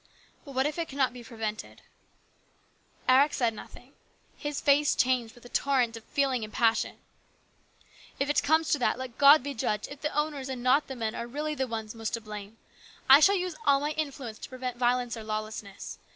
" But what if it cannot be prevented ?" Eric said nothing. His face changed with a torrent of feeling and passion. " If it comes to that, let God be judge if the owners and not the men are really the ones most 62 HIS BROTHER'S KEEPER. to blame. I shall use all my influence to prevent violence or lawlessness.